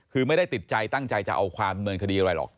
คือไม่ได้ติดใจตั้งใจจะเอาความเนินคดีอะไรหรอก